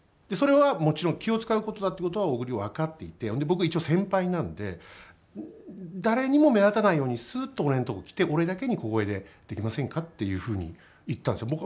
それはもちろん気を遣うことだっていうことは小栗は分かっていて僕、一応先輩なんで誰にも目立たないようにすーっと俺のところに来て俺だけに小声で「できませんか？」っていうふうに言ったんです。